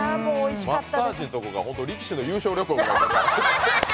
マッサージのところが力士の優勝旅行みたいでした。